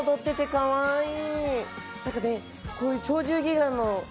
かわいい！